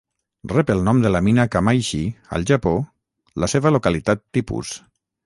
Rep el nom de la mina Kamaishi, al Japó, la seva localitat tipus.